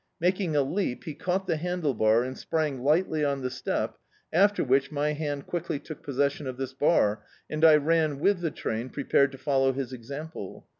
Making a leap he caught the handle bar and sprang lightly on the step, after which my hand quickly took possession of this bar, and I ran with the train, prepared to follow his ex ample.